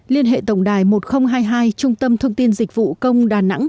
liên hệ tổng đài một nghìn hai mươi hai trung tâm thông tin dịch vụ công đà nẵng